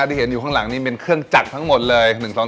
ที่เห็นอยู่ข้างหลังนี่เป็นเครื่องจักรทั้งหมดเลย